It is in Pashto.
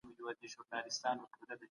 هیڅوک حق نه لري چي په قانوني حق تېری وکړي.